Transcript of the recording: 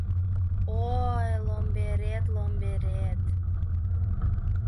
Ой, ломберет, ломберет